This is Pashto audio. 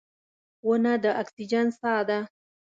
• ونه د اکسیجن ساه ده.